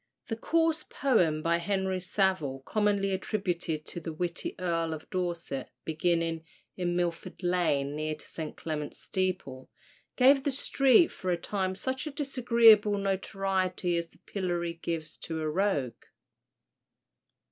The coarse poem by Henry Savill, commonly attributed to the witty Earl of Dorset, beginning "In Milford Lane, near to St. Clement's steeple." gave the street for a time such a disagreeable notoriety as the pillory gives to a rogue.